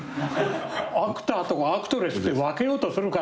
アクターとかアクトレスって分けようとするから。